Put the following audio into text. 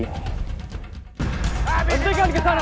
hentikan ke sana